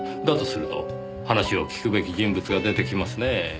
だとすると話を聞くべき人物が出てきますねぇ。